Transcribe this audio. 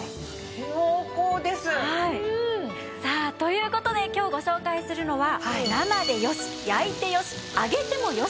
さあという事で今日ご紹介するのは生で良し焼いて良し揚げても良し！